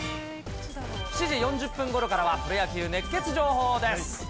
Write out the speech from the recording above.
７時４０分ごろからはプロ野球熱ケツ情報です。